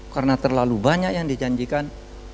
karena terlalu banyak yang dijanjikan